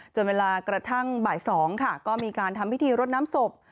เวลากระทั่งบ่าย๒ค่ะก็มีการทำพิธีรดน้ำศพ